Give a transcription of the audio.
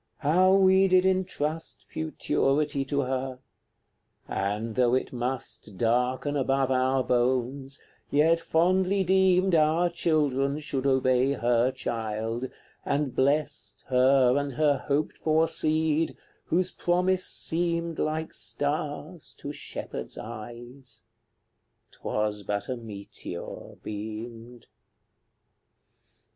How we did entrust Futurity to her! and, though it must Darken above our bones, yet fondly deemed Our children should obey her child, and blessed Her and her hoped for seed, whose promise seemed Like star to shepherd's eyes; 'twas but a meteor beamed.